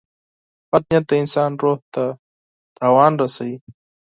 • بد نیت د انسان روح ته ضرر رسوي.